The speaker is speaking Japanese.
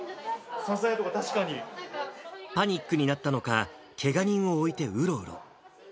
支えとか、パニックになったのか、けが人を置いてうろうろ。